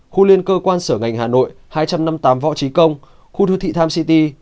khu liên cơ quan sở ngành hà nội hai trăm năm mươi tám võ trí công khu đô thị times city